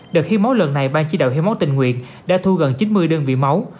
đợt hiến máu lần này ban chỉ đạo hiến máu tình nguyện đã thu gần chín mươi đơn vị máu